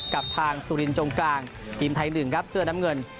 กับทางสุรินจงกลางทีมไทยหนึ่งครับเสื้อน้ำเงิน